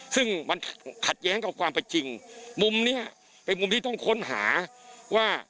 ซึ่งมันขัดแย้งกับความเป็นจริงมุมนี้เป็นมุมที่ต้องค้นหาว่า